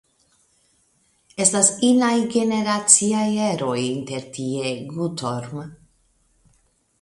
Estas inaj generaciaj eroj intertie, Gutorm.